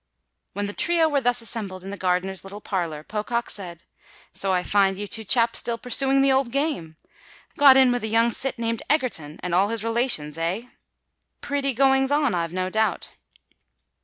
When the trio were thus assembled in the gardener's little parlour, Pocock said, "So I find you two chaps still pursuing the old game. Got in with a young cit named Egerton—and all his relations—eh? Pretty goings on, I've no doubt."